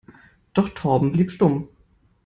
Doch Torben blieb stumm.